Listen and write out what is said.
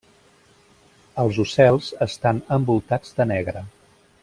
Els ocels estan envoltats de negre.